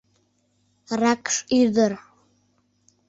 Ракш ӱдыр.